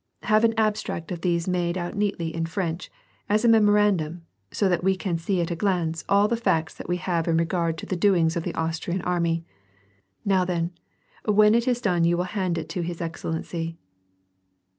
" Have an abstract of these made out neatly in French, as a memorandum, so that we can see at a glance all the facts that we have in regard to the doings of the Austrian army. Now then, when it is done you will hand it to his excellency."